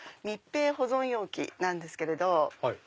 密閉保存容器なんですけれど。